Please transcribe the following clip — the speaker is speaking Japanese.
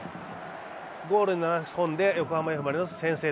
ゴールに流し込んで横浜Ｆ・マリノス先制。